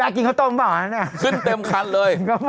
ขึ้นเต็มคันเลย